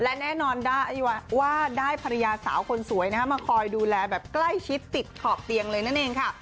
และแน่นอนว่าได้ภรรยาสาวคนสวยมาคอยดูแลแบบใกล้ชิดติดขอบเตียงเลยนั่นเองค่ะ